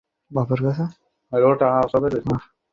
আমাকে মাফ করবে।